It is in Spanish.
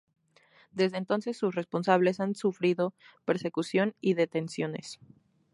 Desde entonces sus responsables han sufrido persecución y detenciones.